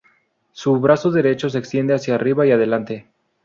Su brazo derecho se extiende hacia arriba y adelante.